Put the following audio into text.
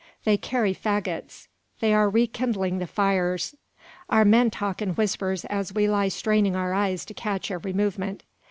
They carry faggots. They are rekindling the fires! Our men talk in whispers, as we lie straining our eyes to catch every movement.